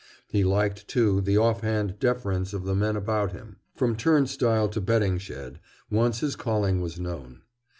He liked, too, the off hand deference of the men about him, from turnstile to betting shed, once his calling was known.